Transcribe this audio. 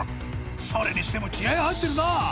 それにしても気合入ってるなぁ！